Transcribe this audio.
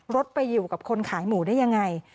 รถไปอยู่กับคนขายหมูได้ยังไง